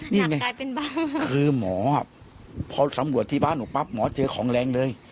นี่ไงคือหมอพอสำรวจที่บ้านหนูปั๊บหมอเจอของแรงเลย